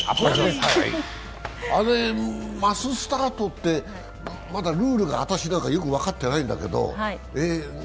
マススタートって、まだ私、ルールがよく分かってないんですが。